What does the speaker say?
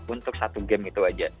untuk satu game itu aja